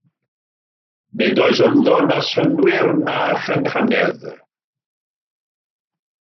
Nid oes ynddo na synnwyr na chynghanedd.